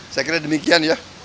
saya kira demikian ya